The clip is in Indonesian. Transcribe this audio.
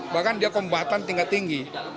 bahkan dia kombatan tingkat tinggi